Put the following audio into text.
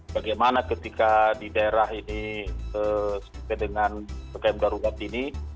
bagaimana ketika di daerah ini seperti dengan pekai md rudat ini